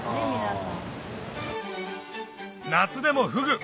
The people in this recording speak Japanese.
夏でもフグ！